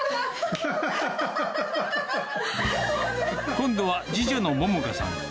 今度は次女の桃香さん。